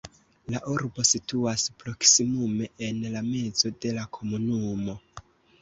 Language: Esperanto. La urbo situas proksimume en la mezo de la komunumo.